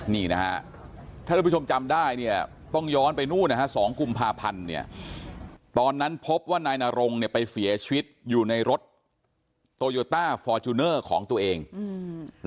นี่นะฮะถ้าท่านผู้ชมจำได้เนี่ยต้องย้อนไปนู่นนะฮะสองกุมภาพันธ์เนี่ยตอนนั้นพบว่านายนรงเนี่ยไปเสียชีวิตอยู่ในรถโตโยต้าฟอร์จูเนอร์ของตัวเองอืม